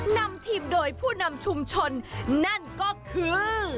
นำทีมโดยผู้นำชุมชนนั่นก็คือ